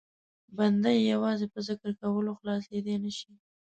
بنده یې یوازې په ذکر کولو خلاصېدای نه شي.